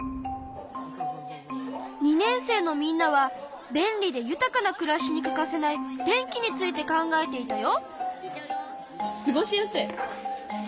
２年生のみんなは便利で豊かな暮らしに欠かせない電気について考えていたよ。